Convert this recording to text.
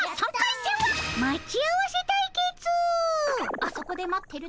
あそこで待ってる！